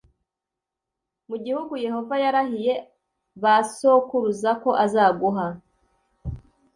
mu gihugu yehova yarahiye ba sokuruza ko azaguha